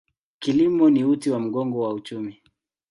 Kilimo ni uti wa mgongo wa uchumi.